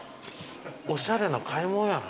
おしゃれな買い物やな。